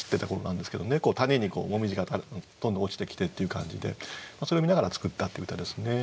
谷に紅葉がどんどん落ちてきてっていう感じでそれを見ながら作ったって歌ですね。